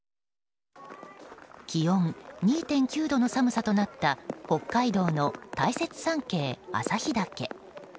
気温２．９度の寒さとなった北海道の大雪山系・旭岳。